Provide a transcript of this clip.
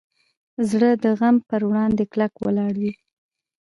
زړه د غم پر وړاندې کلک ولاړ وي.